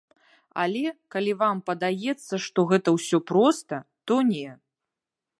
Але, калі вам падаецца, што гэта ўсё проста, то не!